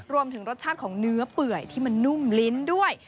รวมถึงรสชาติของเนื้อเปื่อยที่มันนุ่มลิ้นด้วย